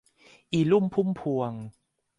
อีลุ่มพุ่มพวง